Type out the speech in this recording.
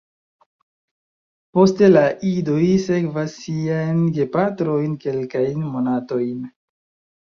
Poste la idoj sekvas siajn gepatrojn kelkajn monatojn.